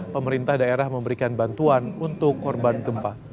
pemerintah daerah memberikan bantuan untuk korban gempa